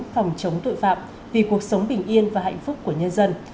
phòng chống tội phạm vì cuộc sống bình yên và hạnh phúc của nhân dân